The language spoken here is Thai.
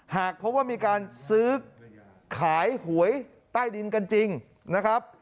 หากพบว่ามีการซื้อขายหวยใต้ดินกันจริงนะครับ